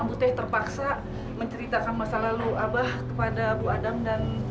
buteh terpaksa menceritakan masa lalu abah kepada abu adam dan